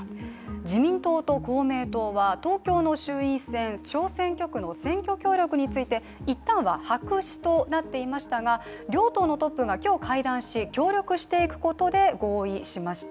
自民党と公明党は東京の衆院選、小選挙区の選挙協力について、いったんは白紙となっていましたが、両党のトップが今日会談し、協力していくことで合意しました。